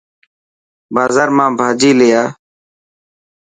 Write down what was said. بازار مان ڀاچي لي آءِ.